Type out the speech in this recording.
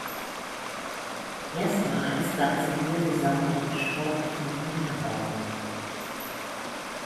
Erstmals gab es in dieser Saison einen sportlichen Unterbau.